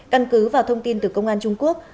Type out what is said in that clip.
căn cứ vào thông tin từ công an trung quốc